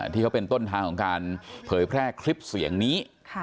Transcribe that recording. ที่เขาเป็นต้นทางของการเผยแพร่คลิปเสียงนี้